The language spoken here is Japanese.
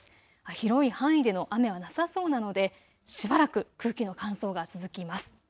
広い範囲での雨はなさそうなのでしばらく空気の乾燥が続きます。